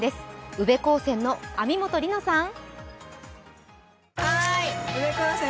宇部高専の網本璃乃さん。